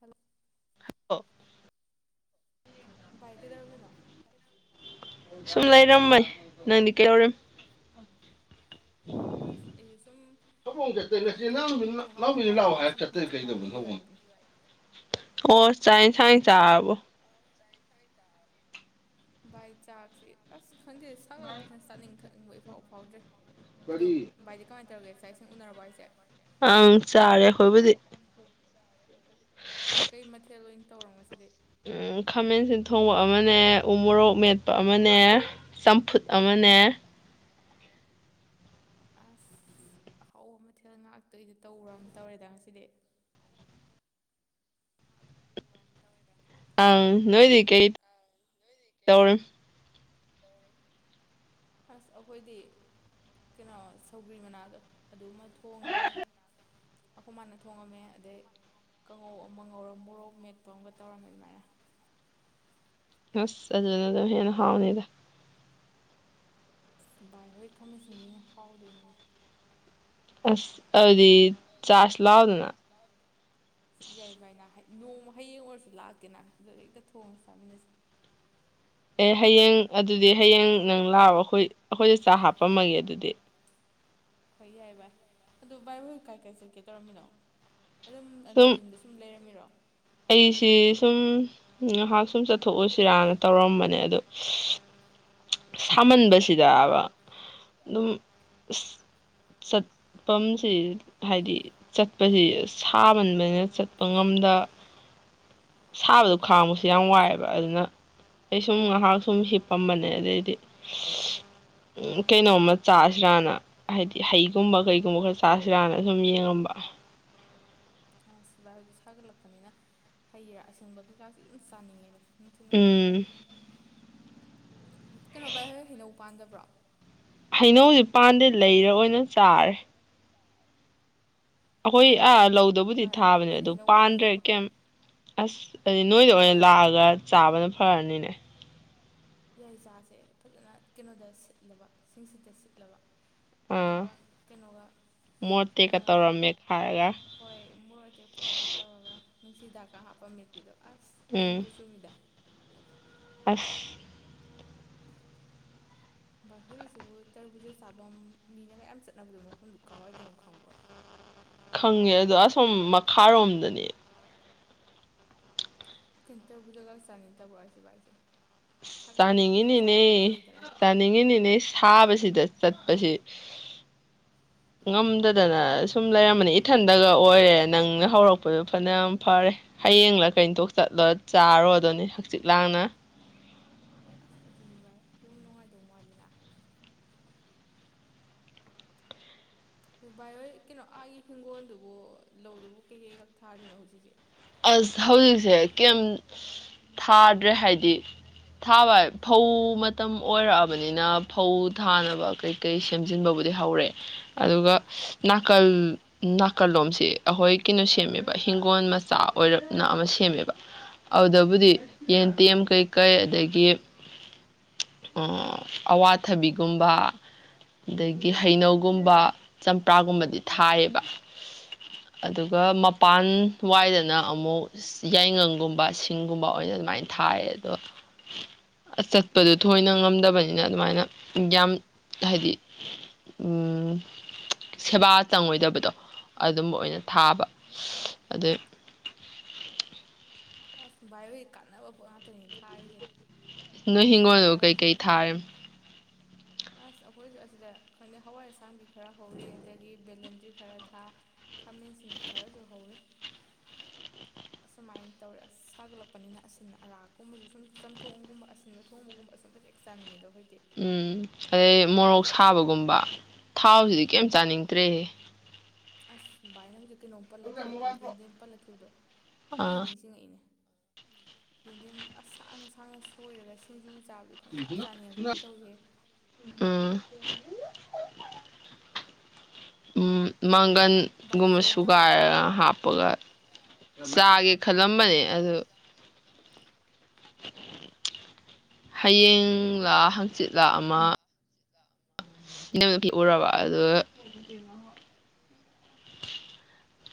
hello ꯑꯣ ꯕꯥꯏꯛꯀꯩꯗꯧꯔꯃꯤꯅꯣ ꯁꯨꯝ ꯂꯩꯔꯝꯃꯦ ꯅꯪꯗꯤ ꯀꯩꯧꯔꯦ ꯑꯁ ꯑꯩꯁꯦ ꯁꯨꯝ ꯈꯪꯗꯦ ꯊꯣꯡꯅꯥꯎ ꯆꯅꯥꯅꯥꯎ ꯃꯄꯥꯗ ꯂꯥꯛꯑꯣ ꯐꯝꯃ ꯍꯥꯏ ꯁꯨꯝ ꯆꯠꯇꯦ ꯍꯪꯆꯤꯠ ꯀꯩꯗꯅꯣ ꯂꯥꯡꯉꯝꯃꯤꯕ ꯍꯥꯏꯗꯨꯅꯤ ꯑꯣ ꯆꯥꯏ ꯊꯥꯏ ꯆꯥꯕꯣ ꯚꯏ ꯆꯥꯁꯤ ꯑꯁ ꯈꯪꯗꯦ ꯁ ꯁꯥꯥ ꯄꯁꯅ ꯁꯇꯥꯔꯅꯤꯡ ꯊ ꯏꯪꯕ ꯏꯐꯥꯎꯕ ꯐꯥꯎꯗ꯭ꯔꯦ ꯑꯗꯣ ꯀꯔꯤ ꯚꯥꯏꯗꯤ ꯀꯃꯥꯏꯅ ꯇꯧꯒꯦꯦ ꯆꯥꯏ ꯏꯁꯤꯡ ꯎꯅꯔꯕ ꯍꯥꯏꯁꯦ ꯑꯪ ꯆꯔꯦꯈꯣꯏꯕꯗꯤ ꯇꯧꯔꯝꯁꯤꯗꯤ ꯈꯥꯃꯦꯟꯁꯤ ꯊꯣꯡꯕ ꯑꯃꯅꯦ ꯎ ꯃꯣꯔꯣꯛ ꯃꯦꯠꯄ ꯑꯃꯅꯦ ꯆꯝꯐꯨꯠ ꯑꯃꯅꯦ ꯑꯁ ꯑꯍꯥꯎ ꯃꯊꯦꯜ ꯉꯥꯛꯇꯣꯏꯒꯤꯗꯤ ꯇꯧꯔ ꯑꯃ ꯇꯧꯔꯦꯗ ꯉꯁꯤꯗꯤ ꯑꯪ ꯅꯣꯏꯗꯤꯀꯩ ꯇꯧꯔ ꯑꯁ ꯑꯩꯈꯣꯏꯗꯤ ꯀꯩꯅꯣ ꯁꯧꯒ꯭ꯔꯤ ꯃꯅꯥꯗꯣ ꯑꯗꯨꯃ ꯊꯣꯡꯈ꯭ꯔꯦ ꯑꯩꯈꯣꯏ ꯃꯥꯅ ꯊꯣꯡꯉꯝꯃꯦ ꯑꯗꯩ ꯀꯥꯡꯉꯧ ꯑꯃ ꯉꯧꯔ ꯃꯣꯔꯣꯛ ꯃꯦꯠꯄ ꯑꯃꯒ ꯇꯧꯔꯝꯃꯦ ꯑꯗꯨꯃꯥꯏꯅ ꯑꯁ ꯑꯗꯨꯅ ꯑꯗꯨꯝ ꯍꯦꯟꯅ ꯍꯥꯎꯅꯤꯗ ꯚꯥꯏ ꯍꯣꯏ ꯈꯥꯃꯦꯟꯁꯤꯟꯁꯤꯅ ꯍꯥꯎꯗꯣꯏꯅꯦ ꯑꯁ ꯑꯗꯤ ꯆꯥꯁ ꯂꯥꯎꯅ ꯑꯁ ꯌꯥꯏ ꯚꯥꯏ ꯅ ꯅꯣꯡꯃ ꯍꯌꯦꯡ ꯑꯣꯏꯔꯁꯨ ꯂꯥꯛꯇꯦꯅ ꯑꯗꯨ ꯍꯦꯛꯇ ꯊꯣꯡꯉꯒ ꯆꯥꯃꯤꯟꯅꯁꯦ ꯑꯦ ꯍꯌꯦꯡ ꯑꯗꯨꯗꯤ ꯍꯌꯦꯡ ꯅꯪ ꯂꯥꯛꯑꯣ ꯑꯩꯈꯣꯏ ꯑꯩꯈꯣꯏꯗ ꯆꯥꯛ ꯍꯥꯞꯄꯝꯃꯒꯦ ꯑꯗꯨꯗꯤ ꯍꯣꯏ ꯌꯥꯏ ꯚꯥꯏ ꯑꯗꯨ ꯚꯥꯏ ꯍꯣꯏ ꯀꯥꯏ ꯀꯥꯏ ꯆꯠꯀꯦ ꯇꯧꯔꯝꯃꯤꯅꯣ ꯑꯗꯨꯝ ꯅꯠꯇ꯭ꯔ ꯌꯨꯝꯗ ꯁꯨꯝ ꯂꯩꯔꯝꯃꯤꯔꯣ ꯑꯩꯁꯤ ꯁꯨꯝ ꯉꯥꯏꯍꯥꯛ ꯁꯨꯝ ꯆꯠꯊꯣꯛꯎꯁꯤꯔꯅ ꯇꯧꯔꯝꯕꯅꯦ ꯑꯗꯨ ꯁꯥꯃꯟꯕꯁꯤꯗꯕ ꯑꯗꯨꯝ ꯆꯠꯐꯝꯁꯤ ꯍꯥꯏꯗꯤ ꯆꯠꯄꯁꯤ ꯁꯥꯃꯟꯕꯅꯤꯅ ꯆꯠꯄ ꯉꯝꯗ ꯁꯥꯕꯗꯣ ꯈꯥꯡꯕꯁꯨ ꯌꯥꯝ ꯋꯥꯏꯑꯦꯕ ꯑꯗꯨꯅ ꯑꯩ ꯁꯨꯝ ꯉꯥꯏꯍꯥꯛ ꯁꯨꯝ ꯁꯤ ꯄꯝꯕꯅꯦ ꯑꯗꯩ ꯍꯥꯏꯗꯤ ꯀꯩꯅꯣꯝꯃ ꯆꯥꯁꯤꯔꯥꯅ ꯍꯥꯏꯗꯤ ꯍꯩꯒꯨꯝꯕ ꯀꯩꯒꯨꯝꯕ ꯈꯔ ꯆꯥꯁꯤꯔꯥꯅ ꯁꯨꯝ ꯌꯦꯡꯉꯝꯕ ꯑꯁ ꯚꯥꯏꯗꯤ ꯁꯥꯒꯠꯂꯛꯄꯅꯤꯅ ꯍꯩꯔꯥ ꯑꯁꯪꯕ ꯀꯩꯀꯥꯁꯤꯦ ꯑꯗꯨꯨꯝ ꯆꯥꯅꯤꯡꯉꯦꯅꯦ ꯑꯗꯨꯝ ꯊꯦꯡꯅꯔꯛꯄꯁꯤꯗ ꯎꯝ ꯀꯩꯅꯣ ꯕꯥ ꯍ ꯍꯩꯅꯧ ꯃꯄꯥꯟꯗꯕ꯭ꯔꯣ ꯍꯩꯅꯧꯖꯤ ꯄꯥꯟꯗꯦ ꯂꯩꯔ ꯑꯣꯏꯅ ꯆꯥꯔꯦ ꯑꯁ ꯑꯩꯈꯣꯏ ꯑꯥ ꯂꯧꯗꯕꯨꯗꯤ ꯚꯥꯏ ꯊꯥꯕꯅꯦ ꯑꯩꯈꯣꯏꯗꯤ ꯑꯗꯨ ꯍꯩꯅꯧ ꯄꯥꯟꯗ꯭ꯔꯦ ꯄꯥꯜꯂꯤꯅꯦ ꯀꯩ ꯑꯁ ꯍꯥꯏꯗꯤ ꯅꯣꯏꯗ ꯑꯣ ꯑꯣꯏꯅ ꯂꯥꯛꯑꯒ ꯆꯥꯕꯅ ꯐꯔꯅꯤꯅꯦ ꯌꯥꯏ ꯆꯥꯁꯦ ꯐꯖꯅ ꯀꯩꯅꯣꯗ ꯁꯤꯠꯂꯕ ꯁꯤꯡꯁꯤꯠꯇ ꯁꯤꯠꯂꯕ ꯑꯥ ꯑꯗꯨꯒ ꯀꯩꯅꯣꯒ ꯃꯣꯔꯣꯇꯦꯛꯀ ꯇꯧꯔ ꯃꯦꯠꯈꯥꯏꯔꯒ ꯍꯣꯏ ꯃꯣꯔ ꯑ ꯇꯦꯛꯄꯒ ꯇꯧꯔꯒ ꯅꯨꯡꯁꯤꯗꯥꯛꯀ ꯍꯥꯞꯄ ꯃꯦꯠꯄꯤꯗꯣ ꯑꯁ ꯎꯝ ꯇꯤꯟꯕꯨ ꯆꯨꯃꯤꯗ [unintelligible] [unintelligible] ꯁꯤꯕꯨ ꯇꯔꯕꯨꯨꯖ ꯆꯥꯐꯝ ꯃꯤꯅꯒ ꯌꯥꯝ ꯆꯠꯅꯕꯗꯣ ꯃꯐꯝꯗꯨ ꯀꯥꯎꯏꯗꯅꯣ ꯈꯪꯕ꯭ꯔꯣ ꯈꯪꯉꯦ ꯑꯗꯣ ꯑꯁꯣꯝ ꯃꯈꯥꯔꯣꯝꯗꯅꯦ ꯀꯇꯔꯕꯨꯖꯒ ꯆꯥꯅꯤꯇꯕꯔꯣ [unintelligible] ꯆꯥꯅꯤꯡꯉꯤꯅꯤꯅꯦ ꯆꯥꯅꯤꯡꯉꯤꯅꯤꯅꯦ ꯁꯥꯕꯁꯤꯗ ꯆꯥꯏ ꯑꯁꯤ ꯉꯝꯗꯗꯅ ꯁꯨꯝ ꯂꯩꯔꯝꯕꯅꯤ ꯏꯊꯟꯗꯒ ꯑꯣꯏꯔꯦ ꯅꯪꯅ ꯍꯧꯔꯛꯄꯗꯣ ꯐꯅ ꯌꯥꯝ ꯐꯔꯦ ꯍꯌꯦꯡꯂ ꯀꯩꯅꯇꯣꯛ ꯆꯠꯂ ꯆꯥꯔꯣꯗꯣꯅꯤ ꯍꯛꯆꯤꯛ ꯂꯥꯡꯅ ꯑꯣ ꯑꯁ ꯑꯗꯨꯅꯤ ꯚꯥꯏ ꯌꯨꯝ ꯅꯨꯡꯉꯥꯏꯗꯧꯉꯂꯤꯅ ꯑꯗꯨ ꯚꯥꯏ ꯍꯣꯏ ꯀꯩꯅꯣ ꯑꯥꯒꯤ ꯍꯤꯡꯒꯣꯜꯗꯨꯕꯨ ꯂꯧꯗꯨꯕꯨ ꯀꯩꯀꯩ ꯀꯛ ꯊꯥꯔꯤꯅꯣ ꯍꯧꯖꯤꯛꯁꯦ ꯑꯁ ꯍꯧꯖꯤꯛꯁꯦ ꯀꯦꯝ ꯊꯥꯗ꯭ꯔꯦ ꯍꯥꯏꯗꯤ ꯊꯥꯕ ꯍꯥꯏ ꯐꯧ ꯃꯇꯝ ꯑꯣꯏꯔꯛꯑꯕꯅꯤꯅ ꯐꯧ ꯊꯥꯅꯕ ꯀꯩꯀꯩ ꯁꯦꯝꯖꯤꯟꯕꯕꯨꯗꯤ ꯍꯧꯔꯛꯦ ꯑꯗꯨꯒ ꯑꯣ ꯅꯥꯀꯜ ꯅꯥꯀꯜ ꯂꯣꯝꯁꯤ ꯑꯩꯈꯣꯏ ꯀꯩꯅꯣ ꯁꯦꯝꯃꯦꯕ ꯍꯤꯡꯒꯣꯜ ꯃꯆꯥ ꯇꯞꯅꯥ ꯑꯃꯥ ꯁꯦꯝꯃꯦꯕ ꯑꯗꯨꯕꯨꯗꯤ ꯌꯦꯟꯦꯝ ꯀꯩ ꯀꯩ ꯑꯗꯒꯤ ꯑꯋꯥꯠ ꯒꯨꯝꯕ ꯑꯗꯒꯤ ꯍꯩꯅꯧꯒꯨꯝꯕ ꯆꯝꯄ꯭ꯔꯥꯒꯨꯝꯕꯗꯤ ꯊꯥꯏꯌꯦꯕ ꯑꯗꯨꯒ ꯃꯄꯥꯟ ꯋꯥꯏꯗꯅ ꯑꯃꯨꯛ ꯌꯥꯏꯉꯪꯒꯨꯝꯕ ꯁꯤꯡꯒꯨꯝꯕ ꯑꯣꯏꯅ ꯑꯗꯨꯃꯥꯏꯅ ꯊꯥꯏ ꯑꯗꯣ ꯆꯠꯄꯗꯣ ꯊꯣꯏꯅ ꯉꯝꯗꯕꯅꯤꯅ ꯑꯗꯨꯃꯥꯏꯅ ꯌꯥꯝ ꯍꯥꯏꯗꯤ ꯎꯝ ꯁꯦꯕꯥ ꯆꯪꯉꯣꯏꯗꯕꯗꯣ ꯑꯗꯨꯝꯕ ꯑꯣꯏꯅ ꯊꯥꯕ ꯑꯗꯩ ꯑꯁ ꯚꯥꯏ ꯍꯣꯏꯗꯤ ꯀꯥꯟꯅꯕ ꯄꯣꯠ ꯉꯥꯛꯇꯅꯤ ꯊꯥꯔꯤꯁꯦ ꯅꯣꯏ ꯃꯆꯨ ꯍꯤꯡꯒꯣꯅꯗꯥꯕꯨ ꯀꯩ ꯀꯥꯏꯁꯦ ꯀꯩ ꯊꯥꯔꯤꯝ ꯑꯁ ꯑꯩꯈꯣꯏꯁꯨ ꯑꯁꯤꯗ ꯈꯪꯗꯦ ꯍꯋꯥꯏ ꯑꯁꯥꯡꯕꯤ ꯈꯔ ꯍꯧꯔꯦ ꯑꯗꯒꯤ ꯕꯦꯂꯦꯟꯗ꯭ꯔꯤ ꯈꯔ ꯊꯥ ꯈꯥꯃꯦꯟꯁꯤꯟ ꯈꯔꯁꯨ ꯍꯧꯔꯤ ꯑꯁꯨꯃꯥꯏꯅ ꯇꯧꯔꯦ ꯑꯁ ꯁꯥꯒꯠꯂꯛꯄꯅꯤꯅ ꯑꯁꯤꯟ ꯑꯔꯥꯛꯀꯨꯝꯕꯁꯦ ꯁꯨꯝ ꯆꯝꯊꯣꯡꯒꯨꯝꯕ ꯑꯁꯤꯟꯕ ꯊꯣꯡꯕꯒꯨꯝꯕ ꯑꯁꯨꯝꯕꯁꯦ ꯆꯥꯅꯤꯡꯉꯦꯗꯣ ꯑꯩꯈꯣꯏꯗꯤ ꯎꯝ ꯑꯗ ꯃꯣꯔꯣꯛ ꯁꯥꯕꯒꯨꯝꯕ ꯊꯥꯎꯁꯤꯗꯤ ꯀꯩꯝ ꯎꯝ ꯆꯥꯅꯤꯡꯗ꯭ꯔꯦꯍꯦ ꯑꯁ ꯕꯥꯏꯉꯤꯠ ꯀꯩꯅꯣꯝ ꯄꯜꯂꯛ ꯈꯩꯕꯥ ꯑꯩ ꯌꯦꯟꯗꯝ ꯄꯥꯂꯛꯈꯤꯕꯗꯨ ꯈꯪꯅꯤꯡ ꯑꯥ ꯅꯤꯡꯁꯤꯡꯉꯛꯏꯅꯦ ꯌꯦꯗꯦꯝ ꯑꯁ ꯁꯥꯡꯅꯥ ꯁꯥꯡꯅꯥ ꯁꯣꯏꯔꯒ ꯁꯤꯡꯖꯨ ꯆꯥꯕꯗꯨ ꯈꯪꯆꯥ ꯆꯥꯅꯤꯡꯉꯛꯀꯨꯝ ꯇꯧꯋꯤꯍꯦ ꯎꯝ ꯎꯝ ꯃꯥꯡ ꯚꯥꯏꯗꯤ ꯀꯟꯒꯨꯝꯕ ꯆꯥꯅꯤꯡꯗꯕ꯭ꯔꯣ ꯑꯗꯣ ꯁꯨꯒꯥꯏꯔꯒ ꯍꯥꯞꯄꯒ ꯆꯥꯒꯦ ꯑꯥ ꯈꯜꯂꯝꯕꯅꯦ ꯑꯗꯨ ꯍꯌꯦꯡꯡꯂꯥ ꯍꯥꯡꯆꯤꯠꯂꯥ ꯑꯃ ꯏꯅꯝꯅꯀꯤ ꯎꯔꯕ ꯑꯗꯨꯒꯥ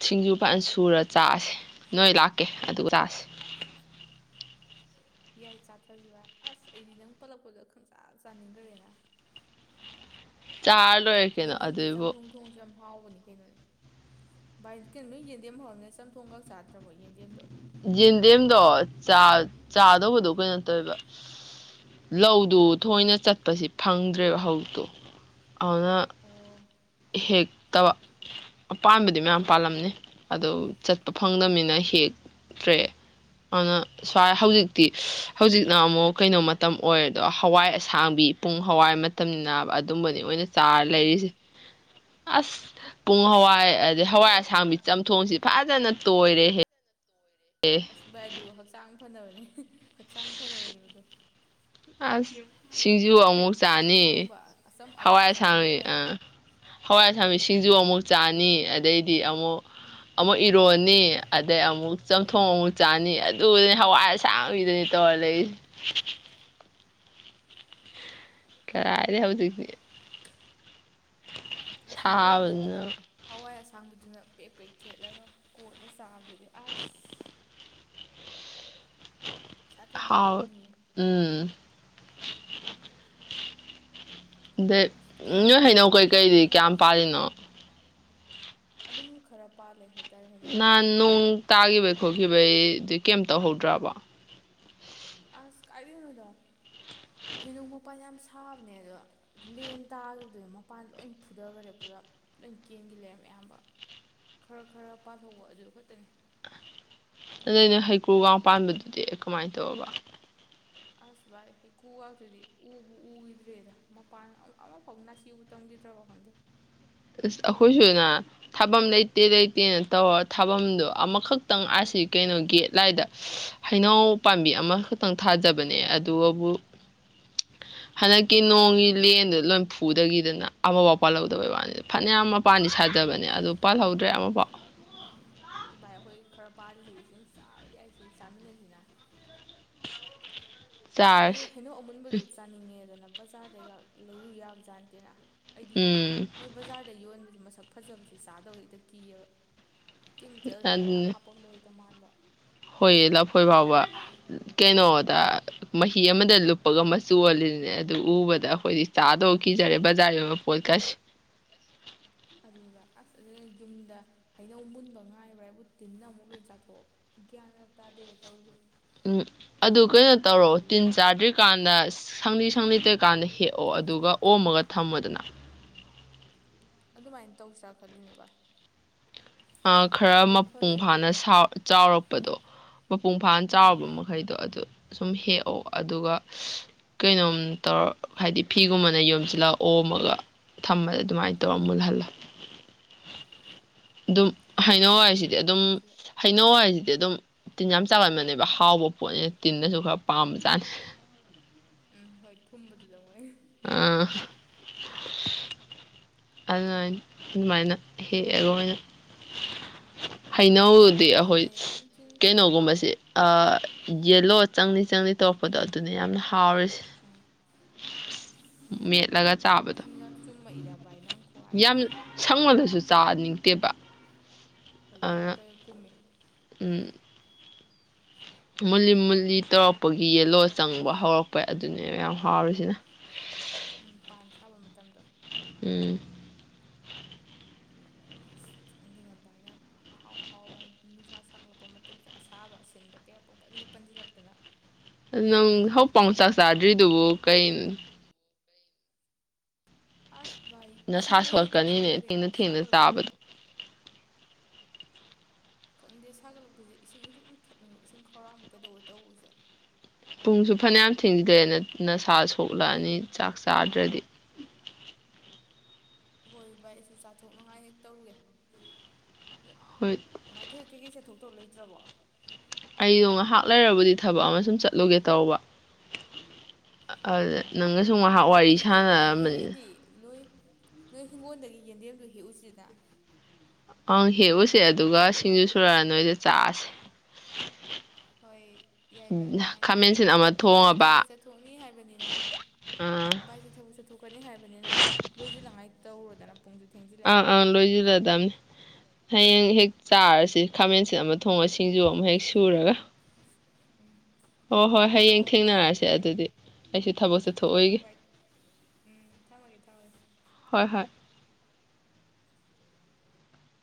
ꯁꯤꯡꯖꯨꯄꯥꯥꯟ ꯁꯨꯔ ꯆꯥꯥꯁꯦ ꯅꯣꯏ ꯂꯥꯛ ꯀꯦ ꯑꯗꯨꯒ ꯆꯥꯁꯤ ꯌꯥꯏ ꯆꯥꯊꯁꯤ ꯚꯏ ꯑꯁ ꯑꯩꯗꯤ ꯅꯪ ꯄꯜꯂꯛꯄꯗ ꯈꯪꯆꯥꯥ ꯆꯥꯅꯤꯡꯈ꯭ꯔꯦꯅ ꯆꯥꯔ ꯂꯣꯏꯔ ꯀꯅꯣ ꯑꯗꯨꯏꯕꯨ ꯆꯝꯊꯣꯡ ꯊꯣꯡꯕꯁꯨ ꯌꯥꯝ ꯍꯥꯎꯕꯅꯤ ꯀꯩꯅꯣꯅꯦ ꯚꯥꯏ ꯀꯩꯅꯣ ꯅꯣꯏ ꯌꯦꯟꯗꯦꯝ ꯍꯧꯎꯔꯝꯅꯤꯅ ꯆꯝꯊꯣꯡꯒ ꯆꯥꯗ꯭ꯔꯕꯣ ꯌꯦꯟꯗꯦꯝꯗꯣ ꯌꯦꯟꯗꯦꯝꯗꯣ ꯆꯥꯏ ꯆꯥꯗꯧꯕꯗꯣ ꯀꯩꯅꯣ ꯇꯧꯋꯦꯕ ꯂꯧꯗꯨ ꯊꯣꯏꯅ ꯆꯠꯄꯁꯤ ꯐꯪꯗ꯭ꯔꯦꯕ ꯍꯧꯇꯨ ꯑꯣꯏꯅꯥ ꯑꯣ ꯍꯦꯛꯇꯕ ꯑꯄꯥꯗꯤ ꯃꯌꯥꯝ ꯄꯥꯜꯂꯝꯅꯤ ꯑꯗꯨ ꯆꯠꯄ ꯐꯪꯗꯝꯅꯤꯅ ꯍꯦꯛꯇ꯭ꯔꯦ ꯑꯗꯨꯅ ꯁ꯭ꯋꯥꯏ ꯍꯧꯖꯤꯛꯇꯤ ꯍꯧꯖꯤꯛꯅ ꯑꯃꯨꯛ ꯀꯩꯅꯣ ꯃꯇꯝ ꯑꯣꯏꯔꯦꯗꯣ ꯍꯋꯥꯏ ꯑꯁ ꯊꯥꯡꯕꯤ ꯄꯨꯡ ꯍꯋꯥꯏ ꯃꯇꯝꯅꯤꯅꯥꯕꯥ ꯑꯗꯨꯝꯕꯅꯤ ꯑꯣꯏꯅꯥ ꯆꯥꯔ ꯂꯩꯔꯤꯁꯤ ꯑꯁ ꯄꯣꯡ ꯍꯋꯥꯏ ꯑꯗꯗꯤ ꯍꯋꯥꯏ ꯑꯁꯥꯡꯕꯤ ꯆꯝꯊꯣꯡꯁꯤ ꯐꯥꯖꯅ ꯇꯣꯏꯔꯦꯍꯦ ꯑꯁ ꯏ ꯑꯗꯨꯣꯍ ꯁꯥꯡ ꯍꯣꯠꯅꯕꯅꯤ ꯍꯛꯆꯥꯡ ꯐꯅꯕꯅꯦꯕꯗꯣ ꯑꯁ ꯁꯤ ꯁꯤꯡꯖꯨ ꯑꯃꯨꯛ ꯆꯥꯅꯤ ꯆꯝꯊꯣꯡꯒꯨꯝꯕ ꯑꯆꯝ ꯑꯔꯥꯛ ꯍꯋꯥꯏ ꯆꯥꯕꯅ ꯑꯁꯥꯡꯕꯤ ꯐꯩ ꯍꯋꯥꯏ ꯑꯁꯥꯡꯕꯤ ꯁꯤꯡꯖꯨ ꯑꯃꯨꯛ ꯆꯥꯅꯤ ꯑꯗꯩꯗꯤ ꯑꯃꯨꯛ ꯑꯃꯨꯛ ꯏꯔꯣꯟꯅꯤ ꯑꯗꯩ ꯑꯃꯨꯛ ꯆꯝꯊꯣꯡ ꯑꯃꯨꯛ ꯆꯥꯅꯤ ꯑꯗꯨꯅꯤ ꯍꯋꯥꯏ ꯑꯁꯥꯡꯏꯗꯅꯤ ꯇꯧꯔ ꯂꯩꯁꯦ ꯀꯥꯔꯥꯏꯗꯩ ꯍꯧꯖꯤꯛꯇꯤ ꯑꯁ ꯃꯣꯔꯣꯡ ꯃꯦꯠꯄꯗ ꯁꯥꯕꯅ ꯍꯋꯥꯏ ꯑꯁꯥꯡꯕꯗꯨꯅ ꯄꯦꯛ ꯄꯦꯛ ꯊꯦꯠꯂꯒ ꯀꯣꯟꯅ ꯆꯥꯕꯗꯨꯗꯤ ꯑꯁ ꯁꯥꯊꯤꯟ ꯍꯥꯋꯎ ꯍꯥꯎꯕꯅꯤꯍꯦ ꯎꯝ ꯑꯗꯩ ꯑꯁ ꯀꯩꯅꯣ ꯅꯣꯏ ꯍꯩꯅꯧ ꯀꯩꯀꯩꯗꯤ ꯀꯌꯥꯝ ꯑꯃꯨꯟꯕꯒꯁꯦ ꯄꯥꯜꯂꯤꯅꯣ ꯑꯗꯨꯝ ꯈꯔ ꯄꯥꯜꯂꯦ ꯍꯥꯏꯇꯥꯔꯦ ꯍꯩꯅꯧꯁꯦ ꯅꯍꯥꯟ ꯅꯣꯡ ꯇꯥꯈꯤꯕꯩ ꯈꯣꯠꯈꯤꯕꯩꯗꯤ ꯀꯩꯝ ꯇꯧꯍꯧꯗ꯭ꯔꯕ ꯑꯁ ꯀꯥꯏꯗꯣꯏꯅꯣꯗ ꯍꯩꯅꯧ ꯃꯄꯥꯟ ꯌꯥꯝ ꯁꯥꯕꯅꯦ ꯑꯗꯣ ꯂꯦꯟ ꯇꯥꯈꯤꯕꯗꯨꯅ ꯃꯄꯥꯟ ꯂꯣꯏ ꯐꯨꯊꯈ꯭ꯔꯦ ꯄꯨꯔ ꯂꯣꯏ ꯀꯦꯟꯈꯤ ꯂꯩꯔꯦ ꯑꯌꯥꯝꯕ ꯈꯔ ꯈꯔ ꯄꯥꯜꯍꯧꯕ ꯑꯗꯨ ꯈꯛꯇꯅꯤ ꯑꯗꯨꯗ ꯑꯩꯅ ꯍꯩꯀ꯭ꯔꯨꯒ ꯄꯥꯟꯕꯗꯨꯗꯤ ꯀꯃꯥꯏꯅ ꯇꯧꯒ ꯑꯁ ꯚꯥꯏ ꯍꯩꯀꯨꯒꯥꯗꯨꯗꯤ ꯎꯕꯨ ꯎꯈꯤꯗ꯭ꯔꯦꯗ ꯃꯄꯥꯟ ꯑꯃꯐꯥꯎ ꯅꯥꯁꯤꯕꯨ ꯇꯝꯈꯤꯗ꯭ꯔꯕ ꯈꯪꯗꯦ ꯑꯁ ꯑꯩꯈꯣꯏꯁꯨꯅ ꯊꯥꯐꯝ ꯂꯩꯇꯦ ꯂꯩꯇꯦ ꯇꯦꯅ ꯇꯧꯔ ꯊꯥꯐꯝꯗꯣ ꯑꯃꯈꯛꯇꯪ ꯑꯁꯤꯁꯤ ꯀꯩꯅꯣ ꯒꯦꯠꯂꯥꯏꯗ ꯍꯩꯅꯎ ꯄꯥꯝꯕꯤ ꯑꯃꯈꯛꯇꯪ ꯊꯥꯖꯕꯅꯦ ꯑꯗꯨꯕꯨ ꯍꯟꯗꯛꯀꯤ ꯅꯣꯡꯒꯤ ꯂꯦꯟꯗꯨ ꯂꯣꯏ ꯐꯨꯗꯈꯤꯗꯅ ꯑꯃꯐꯥꯎ ꯄꯥꯜ ꯍꯧꯗꯕꯩ ꯋꯥꯅꯤꯗ ꯐꯅꯌꯥꯝ ꯑꯃ ꯃꯄꯥꯟꯗꯤ ꯁꯥꯖꯕꯅꯦ ꯑꯗꯨ ꯄꯥꯜꯍꯧꯗ꯭ꯔꯦ ꯑꯃꯐꯥꯎ ꯃꯄꯥꯔꯤꯁꯤ ꯏꯆꯁꯤꯡ ꯆꯥꯕ ꯌꯥꯏ ꯁꯤ ꯆꯥꯃꯤꯟꯅꯁꯤꯅ ꯀꯥꯏꯗꯩ ꯆꯥꯔꯁꯤ ꯍꯩꯅꯧ ꯑꯃꯨꯟꯕꯗꯨ ꯆꯥꯅꯤꯡꯉꯦꯗꯅ ꯕꯖꯥꯔꯗꯩꯒ ꯂꯩꯔꯨ ꯌꯥꯕ ꯖꯥꯠꯅꯠꯇꯦꯅ ꯍꯥꯏꯗꯤ ꯎꯝ ꯃꯣꯏ ꯕꯖꯥꯔꯗ ꯌꯣꯟꯕꯁꯦ ꯁꯛ ꯐꯖꯕꯁꯤ ꯆꯥꯗꯕ ꯍꯦꯛꯇ ꯀꯤꯑꯕ ꯀꯦꯃꯤꯀꯦꯜ ꯀꯌꯥ ꯌꯥꯝ ꯑꯗꯨꯅꯤ ꯍꯥꯞꯄꯝꯗꯣꯏꯅꯣ ꯇ ꯃꯥꯟꯕ ꯍꯣꯏꯌꯦ ꯂꯐꯣꯏ ꯐꯥꯎꯕ ꯀꯩꯅꯣꯗ ꯐꯤ ꯑꯃꯗ ꯂꯨꯞꯄꯒ ꯃꯆꯨꯜꯂꯤꯅꯦ ꯑꯗꯨ ꯎꯕꯗ ꯑꯩꯈꯣꯏꯗꯤ ꯆꯥꯗꯧ ꯀꯤꯖꯔꯦ ꯕꯖꯥꯔꯒꯤ ꯑꯣꯏꯕ ꯄꯣꯠꯀꯁꯤ ꯑꯗꯨꯅꯦꯕ ꯑꯁ ꯑꯗꯨꯅ ꯌꯨꯝꯗ ꯍꯩꯅꯧ ꯃꯨꯟꯕ ꯉꯥꯏꯕ꯭ꯔ ꯍꯥꯏꯕꯨ ꯇꯤꯟꯅ ꯑꯃꯨꯛ ꯂꯣꯏꯅ ꯆꯥꯊꯣꯛ ꯒ꯭ꯌꯥꯟ ꯉꯛ ꯇꯥꯗꯦꯗ ꯇꯧꯔꯤꯁꯦ ꯎꯝ ꯑꯗꯨ ꯀꯩꯅꯣ ꯇꯧꯔꯣ ꯇꯤꯟ ꯆꯥꯗ꯭ꯔꯤꯀꯥꯟꯗ ꯁꯪꯂꯤ ꯁꯪꯂꯤꯗ꯭ꯔꯤꯀꯥꯟꯗ ꯍꯦꯛ ꯑꯣ ꯑꯗꯨꯒ ꯑꯣꯝꯃꯒ ꯊꯝꯃꯗꯅ ꯑꯗꯨꯃꯥꯏꯅ ꯇꯧꯁꯤ꯭ꯔꯥ ꯈꯜꯂꯤꯅꯦ ꯕꯚ ꯑ ꯈꯔ ꯃꯄꯨꯡ ꯐꯥꯅ ꯆꯥꯎꯔꯛꯄꯗꯣ ꯃꯄꯨꯡ ꯐꯥꯅ ꯎꯝ ꯆꯥꯎꯔꯕ ꯃꯈꯩꯗꯣ ꯑꯗꯨ ꯁꯨꯝ ꯍꯦꯛꯑꯣ ꯑꯗꯨꯒ ꯀꯩꯅꯣꯝ ꯇꯧꯔ ꯍꯥꯏꯗꯤ ꯐꯤꯒꯨꯝꯕꯅ ꯌꯣꯝꯁꯤꯜꯂꯛ ꯑꯣꯝꯃꯒ ꯊꯝꯕꯗ ꯑꯗꯨꯃꯥꯏꯅ ꯇꯧꯔꯒ ꯃꯨꯜꯍꯜꯂ ꯑꯗꯨꯝ ꯑꯁꯦ ꯍꯩꯅꯧ ꯑꯗꯨꯅ ꯍꯥꯏꯁꯤꯗꯤ ꯐꯗꯧꯗꯧ ꯑꯗꯨꯝ ꯃꯥꯟꯗꯦ ꯍꯩꯅꯧ ꯍꯥꯏꯁꯤꯗꯤ ꯑꯗꯨꯝ ꯇꯤꯟ ꯌꯥꯝ ꯆꯥꯛꯂꯝꯟꯕꯅꯦꯕ ꯍꯥꯎꯕ ꯄꯣꯠꯅꯦ ꯇꯤꯟꯟꯅꯁꯨ ꯈꯔ ꯄꯥꯝꯕꯖꯥꯅꯤ ꯎꯝ ꯍꯣꯏ ꯊꯨꯝꯕꯗꯨꯗ ꯃꯣꯏ ꯑ ꯑꯗꯨꯃꯥꯏ ꯑꯗꯨꯃꯥꯏꯅ ꯍꯦꯛꯑꯒ ꯑꯣꯏꯅ ꯍ ꯏꯩꯅꯧꯗꯤ ꯑꯩꯈꯣꯏ ꯑꯗꯨꯅꯦ ꯅꯨꯡꯊꯤꯜ ꯀꯩꯅꯣꯒꯨꯝꯕꯁꯦ ꯌꯦꯂꯣ ꯆꯪꯅꯤ ꯆꯪꯅꯤ ꯇꯧꯔꯛꯄꯗꯣ ꯑꯗꯨꯅ ꯌꯥꯝꯅ ꯊꯥꯎ ꯑꯥ ꯑꯁ ꯃꯦꯠꯂꯒ ꯆꯥꯕꯗ ꯇꯤꯟꯒ ꯆꯨꯝꯃꯛꯏꯗ ꯚꯥꯏ ꯅꯪ ꯌꯥꯝ ꯈꯨꯍꯥꯏꯁꯤꯗꯤ ꯁꯪꯕꯗꯁꯨ ꯆꯥꯅꯤꯡꯉꯤ ꯇꯦꯕ ꯍꯣꯏ ꯌꯥ ꯀꯩ ꯀꯨꯝꯃꯦ ꯎꯝ ꯃꯨꯜꯂꯤ ꯃꯨꯜꯂꯤ ꯇꯧꯔꯛꯄꯒꯤ ꯌꯦꯂꯣ ꯆꯪꯕ ꯍꯧꯔꯛꯄ ꯑꯗꯨꯅꯦ ꯌꯥꯝ ꯍꯥꯎꯔꯤꯁꯤꯅ ꯎꯝ ꯄꯥꯟ ꯁꯥꯕ ꯃꯇꯝꯗꯣ ꯎꯝ ꯅ ꯚꯥꯏꯅ ꯑꯍꯥꯎ ꯑꯍꯥꯎꯕ ꯍꯥꯏ ꯅꯨꯡꯁꯥ ꯁꯥꯒꯠꯂꯛꯄ ꯃꯇꯝꯁꯤꯗ ꯑꯁꯥꯕ ꯑꯁꯤ ꯑꯁꯤꯟꯕ ꯀꯌꯥ ꯄꯪꯄꯗ ꯄꯟꯁꯤꯜꯂꯛꯇꯅ ꯅꯪ ꯆꯥꯅꯤꯡꯉꯛꯑꯦ ꯍꯧꯖꯤ ꯉꯁꯥꯏ ꯄꯥꯎꯆꯥꯛ ꯆꯥꯗ꯭ꯔꯤꯗꯨꯕꯨ ꯀꯩꯅꯣ ꯑꯁ ꯚꯥꯏ ꯏꯁꯤꯡ ꯅꯁꯥ ꯑꯣꯏꯅ ꯁꯣꯛꯂꯛꯀꯅꯤꯅꯦ ꯊꯛꯆꯤꯟꯈꯔꯦꯅ ꯊꯦꯡꯅ ꯊꯦꯡꯅ ꯁꯥꯒꯠꯂꯛꯄꯗ ꯆꯥꯕꯗꯣ ꯈꯪꯗꯦ ꯁꯥꯒꯠꯂꯛꯄꯁꯗ ꯏꯁꯤꯡ ꯁꯨꯝ ꯊꯛꯅꯤꯡꯕ ꯏꯁꯤꯡ ꯈꯧꯔꯥꯡꯕ ꯀꯩꯗꯧꯕ ꯇꯧꯕꯁꯤꯗ ꯄꯨꯡꯁꯨ ꯐꯅꯌꯥꯝ ꯊꯤꯡꯖꯗ꯭ꯔꯦꯅ ꯅꯁꯥ ꯁꯣꯛꯂꯛꯑꯅꯤ ꯆꯥꯛ ꯆꯥꯗ꯭ꯔꯗꯤ ꯍꯍꯣꯏ ꯚꯥꯏ ꯑꯩꯁꯨ ꯆꯥꯊꯣꯛꯅꯉꯥꯏ ꯍꯦꯛ ꯇꯧꯔꯨꯒꯦ ꯍꯣꯏ ꯊ ꯀꯩ ꯀꯩꯁꯦ ꯊꯣꯛ ꯇꯣꯠꯂꯣꯏꯇ꯭ꯔꯕꯣ ꯑꯩꯗꯣ ꯉꯥꯏꯍꯥꯛ ꯂꯩꯔꯕꯗꯤ ꯊꯕꯛ ꯑꯃ ꯁꯨꯝ ꯆꯠꯂꯨꯒꯦ ꯇꯧꯕ ꯑꯗꯨꯗ ꯅꯪꯒꯁꯨ ꯑꯣ ꯉꯥꯏꯍꯥꯛ ꯋꯥꯔꯤ ꯑꯗꯨꯗꯤ ꯚꯥꯏ ꯁꯥꯟꯅꯔꯝꯕꯅꯤ ꯍꯌꯦꯡꯗꯤ ꯅꯣꯏ ꯅꯣꯏ ꯍꯤꯡꯒꯣꯜꯗꯒꯤ ꯌꯦꯟꯗꯦꯝꯗꯨ ꯍꯦꯛꯎꯨꯁꯤꯗ ꯑꯪ ꯍꯦꯛꯎꯁꯦ ꯑꯗꯨꯒ ꯁꯤꯡꯖꯨ ꯁꯨꯔꯛꯑ ꯅꯣꯏꯗ ꯆꯥꯛꯑꯁꯦ ꯍꯣꯏ ꯌꯥꯏ ꯚꯥꯏ ꯑꯗꯨꯃꯥꯏꯅ ꯇꯧꯔꯁꯦ ꯑꯃ ꯑꯗꯣ ꯕꯥꯏꯛꯁꯦ ꯊꯣꯡꯉꯕ ꯊꯕꯛꯁ ꯆꯠꯊꯣꯛꯅꯤ ꯍꯥꯏꯕꯅꯤꯅ ꯑꯥ ꯕꯥꯏꯛꯁꯦ ꯊꯕꯛ ꯆꯠꯊꯣꯛꯀꯅꯤ ꯍꯥꯏꯕꯅꯤꯅ ꯂꯣꯏꯁꯤꯜꯂꯉꯥꯏ ꯔꯩꯔꯗꯅ ꯑꯪ ꯑꯪ ꯂꯣꯏꯁꯤꯜꯂꯗꯕꯅꯤ ꯍꯌꯦꯡ ꯍꯦꯛ ꯆꯥꯔꯁꯤ ꯈꯥꯃꯦꯟꯁꯤꯠ ꯑꯃ ꯊꯣꯡꯕ ꯁꯤꯡꯖꯨ ꯑꯃꯨꯛ ꯍꯦꯛ ꯁꯨꯔꯒ ꯎꯝ ꯑꯣ ꯍꯣꯏ ꯍꯣ ꯍꯣ ꯍꯌꯦꯡ ꯕꯥꯏ ꯊꯦꯡꯅꯔꯛꯁꯦ ꯑꯗꯨꯗꯤ ꯑꯩꯁꯨ ꯎꯝ ꯊꯕꯛꯁꯦ ꯍꯣꯏ ꯊꯣꯛꯑꯣꯏꯒꯦ ꯕꯥꯏ ꯎꯝ ꯊꯝꯃꯒꯦ ꯊꯝꯃꯒꯦ ꯍꯣꯏ ꯍꯣꯏ